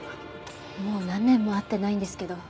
もう何年も会ってないんですけど。